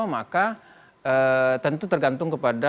maka tentu tergantung kepada